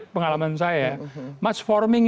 pengalaman saya ya match forming